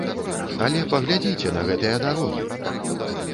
Але паглядзіце на гэтыя дарогі!